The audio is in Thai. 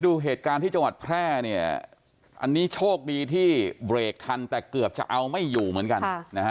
ดูเหตุการณ์ที่จังหวัดแพร่เนี่ยอันนี้โชคดีที่เบรกทันแต่เกือบจะเอาไม่อยู่เหมือนกันนะฮะ